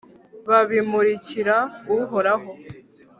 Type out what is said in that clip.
babimurikira uhoraho